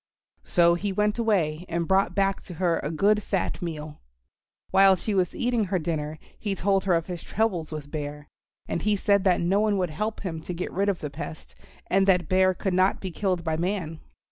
So he went away and brought back to her a good fat meal. While she was eating her dinner he told her of his troubles with Bear, and he said that no one would help him to get rid of the pest, and that Bear could not be killed by man.